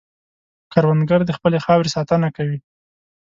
کروندګر د خپلې خاورې ساتنه کوي